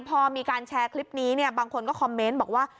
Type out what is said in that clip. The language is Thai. พอมีการแชร์คลิปนี้เนี่ยบางคนก็คอมเมนต์บอกว่า